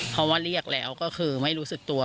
เพราะว่าเรียกแล้วก็คือไม่รู้สึกตัว